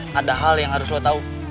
ada hal yang harus lo tahu